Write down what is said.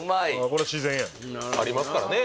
これ自然やねありますからね